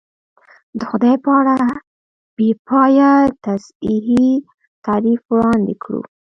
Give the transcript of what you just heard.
د خدای په اړه بې پایه تنزیهي تعریف وړاندې کړو.